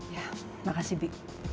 ya makasih bi